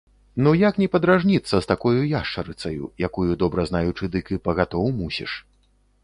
Ну як не падражніцца з такою яшчарыцаю, якую добра знаючы, дык і пагатоў мусіш.